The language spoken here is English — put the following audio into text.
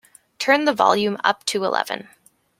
Turn the volume up to eleven.